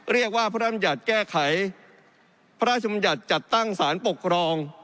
เรียกว่าพระราชมัยัตริย์แก้ไขพระราชมัยัตริย์จัดตั้งสารปกครอง